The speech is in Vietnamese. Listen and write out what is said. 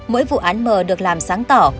mỗi vụ án mờ được làm sáng tỏ